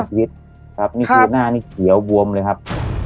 ครับครับมีโบสถ์หน้านี่เขียวบวมเลยครับ